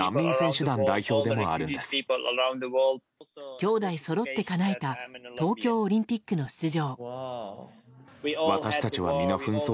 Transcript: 兄弟そろってかなえた東京オリンピックの出場。